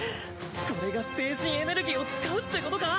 これが精神エネルギーを使うってことか？